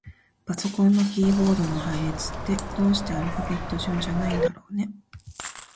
パソコンのキーボードの配列って、どうしてアルファベット順じゃないんだろうね。